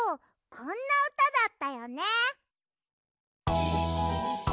こんなうただったよね。